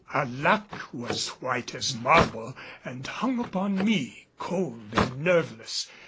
Arlac was white as marble, and hung upon me cold and nerveless.